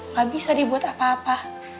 gak bisa dibuat apa apa